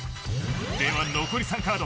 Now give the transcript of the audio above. では残り３カード